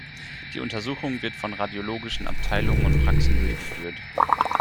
Die Untersuchung wird von radiologischen Abteilungen und Praxen durchgeführt.